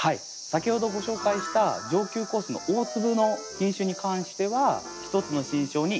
先ほどご紹介した上級コースの大粒の品種に関しては１つの新梢に１房。